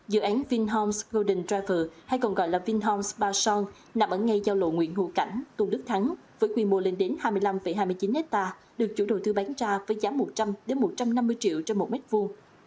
dự án vinhoms golden river hay còn gọi là vinhoms ba son nằm ở ngay giao lộ nguyễn hữu cảnh tôn đức thắng với quy mô lên đến hai mươi năm hai mươi chín hectare được chủ đầu tư bán ra với giá một trăm linh một trăm năm mươi triệu trên một mét vuông